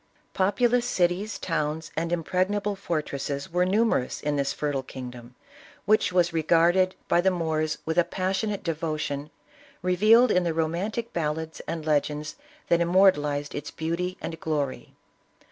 Populous cities, towns and impregnable fortresses were numerous in this fertile kingdom, which was re ISABELLA OF CASTILE. 83 garded by the Moors with a passionate devotion, re vealed in the romantic ballads and legends that immor talized its beauty and glory.